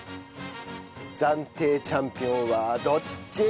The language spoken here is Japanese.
暫定チャンピオンはどっち！？